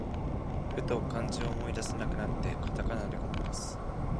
ふと漢字を思い出せなくなって、カタカナでごまかす